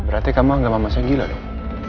berarti kamu anggap masnya gila dong